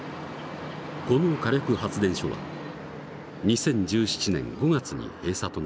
この火力発電所は２０１７年５月に閉鎖となった。